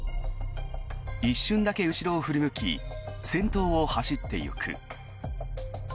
一瞬だけ後ろを振り向き先頭を走っていく。